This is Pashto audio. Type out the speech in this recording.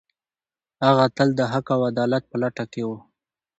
هغه تل د حق او عدالت په لټه کې و.